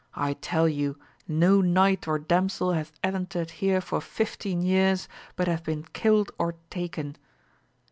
I tell you no knight or damsel hath entered here for fifteen years, but hath been killed or taken.